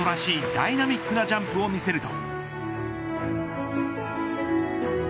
ダイナミックなジャンプを見せると。